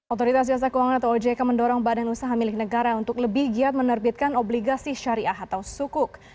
otoritas jasa keuangan atau ojk mendorong badan usaha milik negara untuk lebih giat menerbitkan obligasi syariah atau sukuk